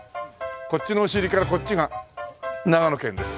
こっちのお尻からこっちが長野県です。